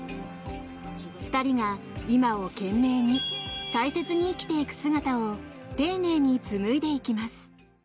２人が今を懸命に大切に生きていく姿を丁寧に紡いでいきます。